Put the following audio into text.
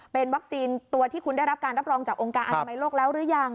เป็นวัคซีนตัวที่คุณได้รับการรับรองจากองค์การอนามัยโลกแล้วหรือยัง